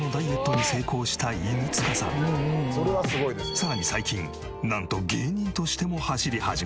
さらに最近なんと芸人としても走り始めた。